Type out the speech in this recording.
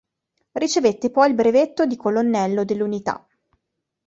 Ricevette poi il brevetto di colonnello dell'unità.